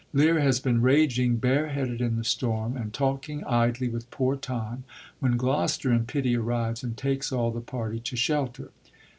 Lear has been raging bare headed in the storm, and talking idly with Poor Tom, when Gloster, in pity, arrives and takes all the party to shelter.